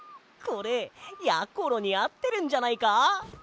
これやころにあってるんじゃないか？